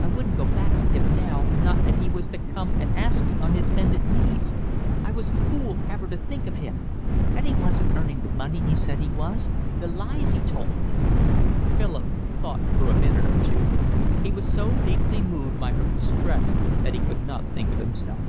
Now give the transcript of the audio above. I wouldn't go back to him now not if he was to come and ask me on his bended knees. I was a fool ever to think of him. And he wasn't earning the money he said he was. The lies he told me!" Philip thought for a minute or two. He was so deeply moved by her distress that he could not think of himself.